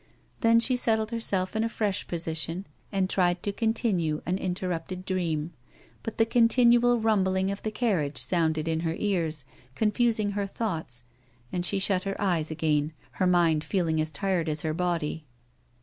Then she settled herself in a fresh position, and tried to continue an interrupted dream, but the continual rumbling of the carriage sounded in her ears, con fusing her thoughts, and she shut her eyes again, her mind feeling as tired as her body.